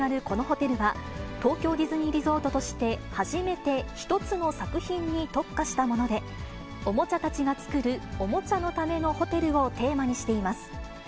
このホテルは、東京ディズニーリゾートとして初めて一つの作品に特化したもので、おもちゃたちが作るおもちゃのためのホテルをテーマにしています。